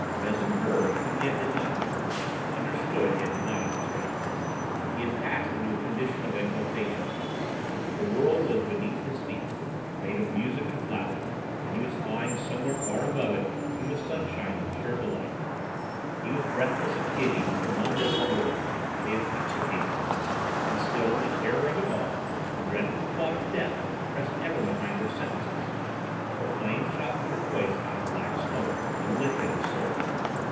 Vezin heard, and yet did not hear; understood, yet did not understand. He had passed into a condition of exaltation. The world was beneath his feet, made of music and flowers, and he was flying somewhere far above it through the sunshine of pure delight. He was breathless and giddy with the wonder of her words. They intoxicated him. And, still, the terror of it all, the dreadful thought of death, pressed ever behind her sentences. For flames shot through her voice out of black smoke and licked at his soul.